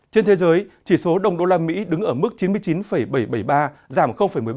trên thế giới chỉ số đồng đô la mỹ đứng ở mức chín mươi chín bảy trăm bảy mươi ba giảm một mươi ba